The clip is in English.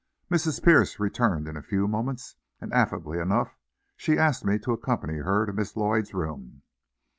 Mrs. Pierce returned in a few moments, and affably enough she asked me to accompany her to Miss Lloyd's room.